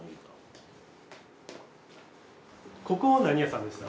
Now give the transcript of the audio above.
ここは何屋さんでした？